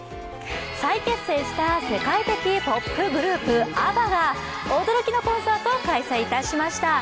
再結成した世界的ポップグループ、ＡＢＢＡが驚きのコンサートを開催いたしました。